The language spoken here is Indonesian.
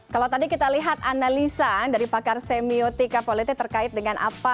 kalau tadi kita lihat analisa dari pakar semiotika politik terkait dengan apa